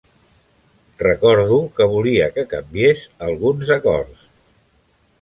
Recordo que volia que canviés alguns acords.